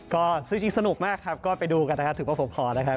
ก็ซื้อจริงสนุกมากครับก็ไปดูกันนะครับถือว่าผมขอนะครับ